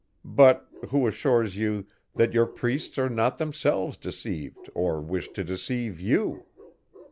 But, who assures you, that your priests are not themselves deceived or wish to deceive you?